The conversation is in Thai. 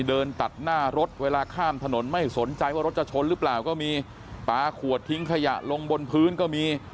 เดินตัดหน้ารถเวลาข้ามถนนไม่สนใจว่ารถจะชนหรือเปล่าก็มีปลาขวดทิ้งขยะลงบนพื้นก็มี